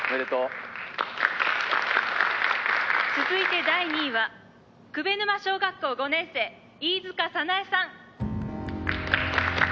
「続いて第２位は鵠沼小学校５年生飯塚早苗さん」